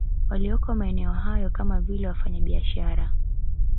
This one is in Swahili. Walioko maeneo hayo kama vile wafanya biashara